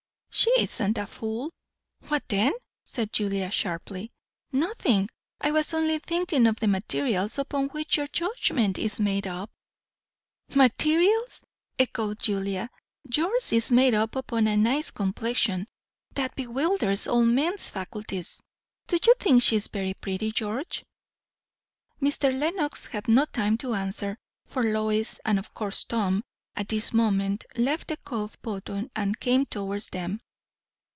"She isn't a fool." "What then?" said Julia sharply. "Nothing. I was only thinking of the materials upon which your judgment is made up." "Materials!" echoed Julia. "Yours is made up upon a nice complexion. That bewilders all men's faculties. Do you think she is very pretty, George?" Mr. Lenox had no time to answer, for Lois, and of course Tom, at this moment left the cove bottom and came towards them.